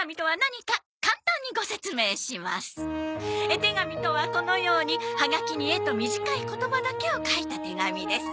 絵手紙とはこのようにはがきに絵と短い言葉だけを描いた手紙です。